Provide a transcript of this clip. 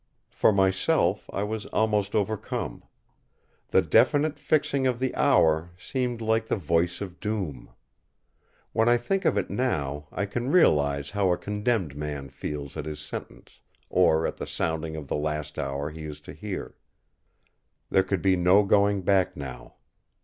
For myself I was almost overcome. The definite fixing of the hour seemed like the voice of Doom. When I think of it now, I can realise how a condemned man feels at his sentence, or at the sounding of the last hour he is to hear. There could be no going back now!